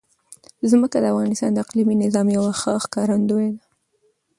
ځمکه د افغانستان د اقلیمي نظام یوه ښه ښکارندوی ده.